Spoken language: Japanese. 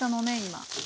今。